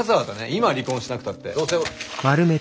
今離婚しなくたってどうせ。